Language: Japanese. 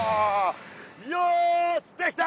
よしできた！